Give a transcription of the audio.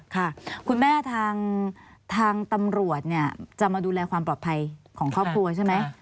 ค่ะคุณแม่ทางตำรวจเนี่ยจะมาดูแลความปลอดภัยของครอบครัวใช่ไหม